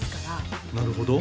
なるほど？